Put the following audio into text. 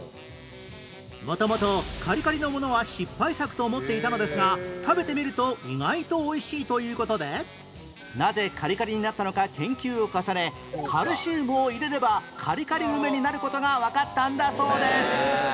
元々カリカリのものは失敗作と思っていたのですが食べてみると意外と美味しいという事でなぜカリカリになったのか研究を重ねカルシウムを入れればカリカリ梅になる事がわかったんだそうです